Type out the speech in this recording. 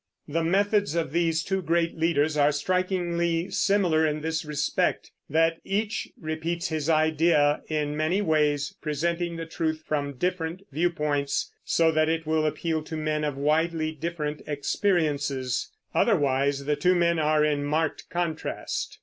The methods of these two great leaders are strikingly similar in this respect, that each repeats his idea in many ways, presenting the truth from different view points, so that it will appeal to men of widely different experiences. Otherwise the two men are in marked contrast.